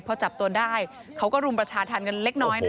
พอจับตัวได้เขาก็รุมประชาธรรมกันเล็กน้อยนะ